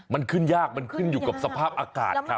มันขึ้นยากมันขึ้นอยู่กับสภาพอากาศครับ